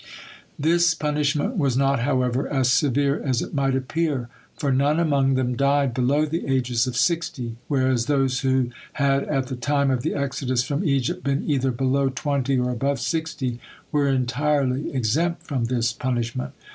'" This punishment was not, however, as severe as it might appear, for none among them died below the ages of sixty, whereas those who had at the time of the exodus from Egypt been either below twenty or above sixty were entirely exempt from this punishment.